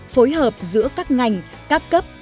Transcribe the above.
phối hợp giữa các ngành các cấp